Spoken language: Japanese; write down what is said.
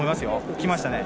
きましたね。